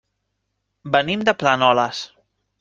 Venim de Planoles.